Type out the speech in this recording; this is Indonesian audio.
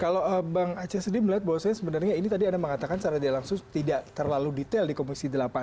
kalau bang aceh sendiri melihat bahwa sebenarnya ini tadi anda mengatakan secara tidak langsung tidak terlalu detail di komisi delapan